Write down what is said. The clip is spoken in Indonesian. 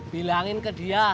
bilangin ke dia